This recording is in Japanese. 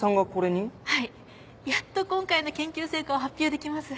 はいやっと今回の研究成果を発表できます。